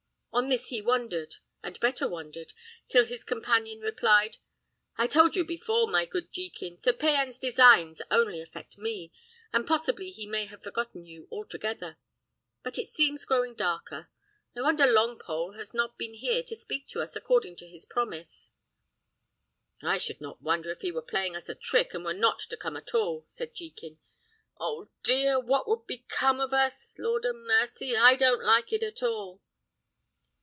On this he wondered, and better wondered, till his companion replied, "I told you before, my good Jekin, Sir Payan's designs only affect me, and possibly he may have forgotten you altogether. But it seems growing darker. I wonder Longpole has not been here to speak to us, according to his promise." "I should not wonder if he were playing us a trick, and were not to come at all," said Jekin. "Oh, dear! What would become of us? Lord a mercy! I don't like it at all!"